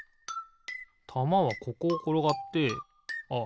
たまはここをころがってあっ